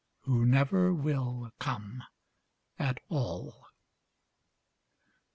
Who never will come at all.